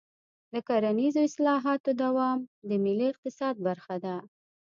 د کرنیزو اصلاحاتو دوام د ملي اقتصاد برخه ده.